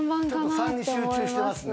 ３に集中してますね。